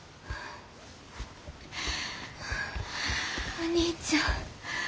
お兄ちゃん。